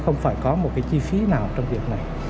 không phải có một cái chi phí nào trong việc này